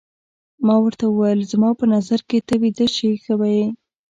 ما ورته وویل: زما په نظر که ته ویده شې ښه به وي.